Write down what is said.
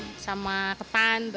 biasanya dimakannya rupanya dia oncom